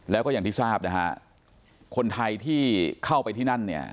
แล้วก็อย่างที่ทราบนะฮะคนไทยที่เข้าไปที่นั่นเนี่ย